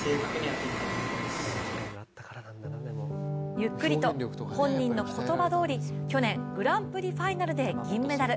ゆっくりと、本人の言葉どおり去年グランプリファイナルで銀メダル。